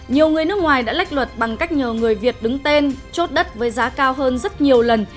nhiều người nước ngoài đã lách luật bằng cách nhờ người việt đứng tên chốt đất với giá cao hơn rất nhiều lần